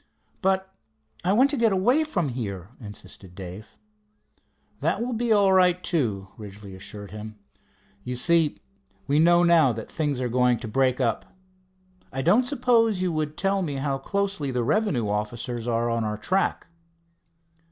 "But I want to get away from here," insisted Dave. "That will be all, too," Ridgely assured him. "You see, we know now that things are going to break up. I don't suppose you would tell me how closely the revenue officers are on our track."